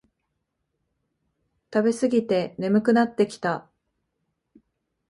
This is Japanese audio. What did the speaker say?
食べすぎて眠くなってきた